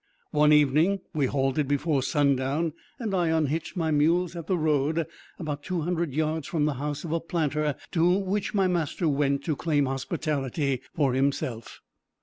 One evening we halted before sundown, and I unhitched my mules at the road, about two hundred yards from the house of a planter, to which my master went to claim hospitality for himself.